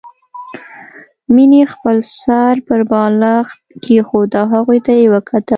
مينې خپل سر پر بالښت کېښود او هغوی ته يې وکتل